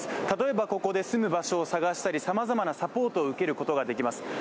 例えばここで住む場所を探したりさまざまなサポートを受けることができます。